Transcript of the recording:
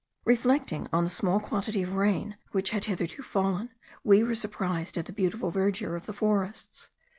Reflecting on the small quantity of rain which had hitherto fallen, we were surprised at the beautiful verdure of the forests.